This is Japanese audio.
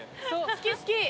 好き好き。